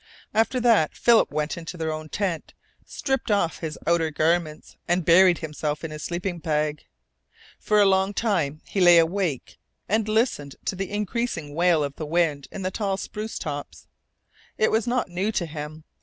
After that Philip went into their own tent, stripped off his outer garments, and buried himself in his sleeping bag. For a long time he lay awake and listened to the increasing wail of the wind in the tall spruce tops. It was not new to him.